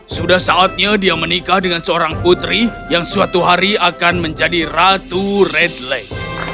sudah saatnya dia menikah dengan seorang putri yang suatu hari akan menjadi ratu red leg